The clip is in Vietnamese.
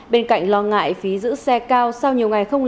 bên cạnh lo ngại phí giữ xe cao sau nhiều ngày không